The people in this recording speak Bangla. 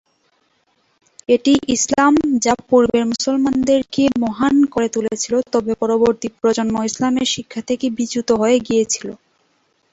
এটিই ইসলাম যা পূর্বের মুসলমানদেরকে মহান করে তুলেছিল তবে পরবর্তী প্রজন্ম ইসলামের শিক্ষা থেকে বিচ্যুত হয়ে গিয়েছিল।